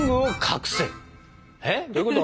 えっどういうこと？